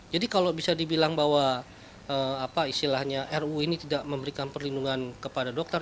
jadi kalau bisa dibilang bahwa istilahnya ru ini tidak memberikan perlindungan kepada dokter